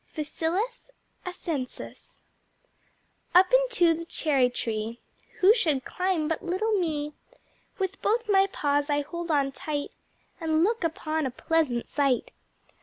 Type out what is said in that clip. Facilis Ascensus Up into the Cherry Tree, Who should climb but little me, With both my Paws I hold on tight, And look upon a pleasant sight.